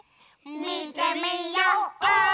みてみよう！